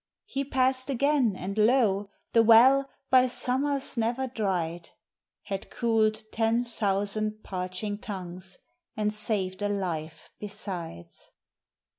He passed again, and lo! the well, by summers never dried, Had cooled ten thousand parching tongues, and saved a life besides.